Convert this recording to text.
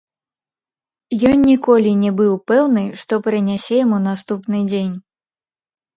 Ён ніколі не быў пэўны, што прынясе яму наступны дзень.